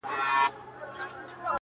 چي دا ولي اې د ستر خالق دښمنه،